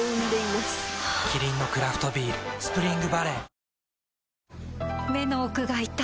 キリンのクラフトビール「スプリングバレー」